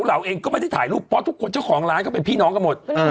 เราเองก็ไม่ได้ถ่ายรูปเพราะทุกคนเจ้าของร้านก็เป็นพี่น้องกันหมด